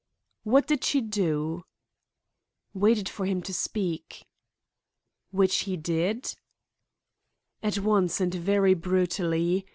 "What did she do?" "Waited for him to speak." "Which he did?" "At once, and very brutally.